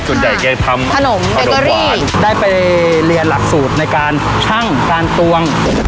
แกทำขนมเบเกอรี่ได้ไปเรียนหลักสูตรในการชั่งการตวง